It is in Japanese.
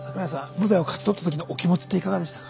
無罪を勝ち取ったときのお気持ちっていかがでしたか？